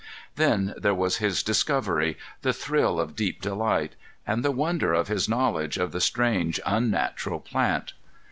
Then there was his discovery, the thrill of deep delight, and the wonder of his knowledge of the strange unnatural plant!